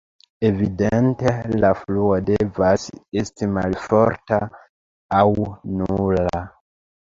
Evidente la fluo devas esti malforta aŭ nula.